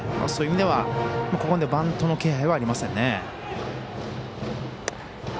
そういう意味ではここまでバントの気配はありませんね。